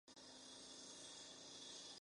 Se desconoce su final.